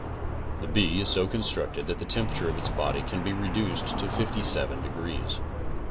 The bee is so constructed that the temperature of its body can be reduced to 57 degrees.